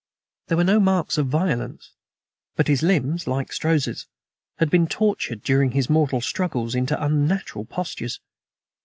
There were no marks of violence, but his limbs, like Strozza's, had been tortured during his mortal struggles into unnatural postures.